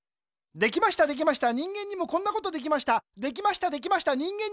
できましたできました人間にもこんなことできました。